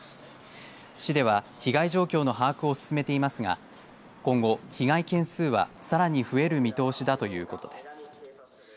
市では被害状況の把握を進めていますが今後、被害件数はさらに増える見通しだということです。